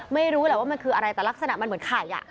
ไม่รู้แหละว่ามันคืออะไรแต่ลักษณะมันเหมือนไข่